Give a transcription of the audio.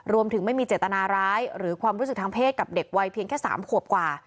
ไม่มีเจตนาร้ายหรือความรู้สึกทางเพศกับเด็กวัยเพียงแค่๓ขวบกว่า